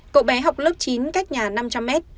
cậu bé học lớp chín cách nhà năm trăm linh m